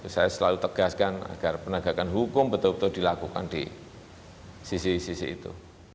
saya selalu tegaskan agar penegakan hukum betul betul dilakukan di sisi sisi itu